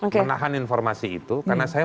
menahan informasi itu karena saya